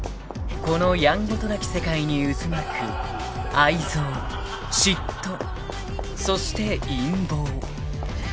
［このやんごとなき世界に渦巻く愛憎嫉妬そして陰謀］